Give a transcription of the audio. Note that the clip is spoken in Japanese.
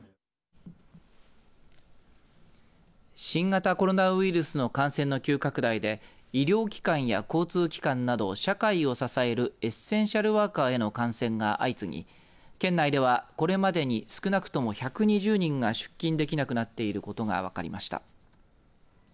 新型コロナウイルスの感染の急拡大で医療機関や交通機関など社会を支えるエッセンシャルワーカーへの感染が相次ぎ県内では、これまでに少なくとも１２０人が出勤できなくなっていることが分かりました。